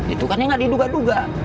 itu kan yang nggak diduga duga